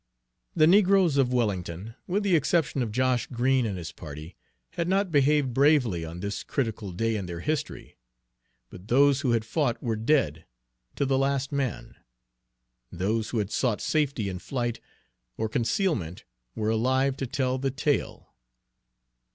The negroes of Wellington, with the exception of Josh Green and his party, had not behaved bravely on this critical day in their history; but those who had fought were dead, to the last man; those who had sought safety in flight or concealment were alive to tell the tale.